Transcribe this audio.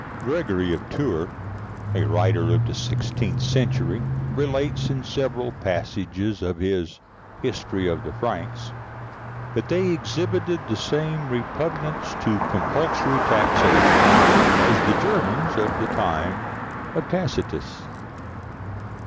Gregory of Tours, a writer of the sixteenth century, relates in several passages of his "History of the Franks," that they exhibited the same repugnance to compulsory taxation as the Germans of the time of Tacitus.